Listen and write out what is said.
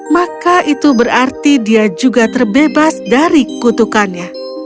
maka itu berarti dia juga terbebas dari kutukannya